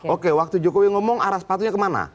oke waktu jokowi ngomong arah sepatunya kemana